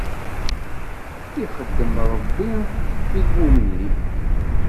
I ixeddem Rebbi i lmumnin.